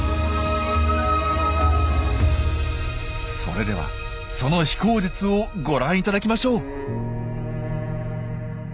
それではその飛行術をご覧いただきましょう。